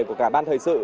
của cả ban thời sự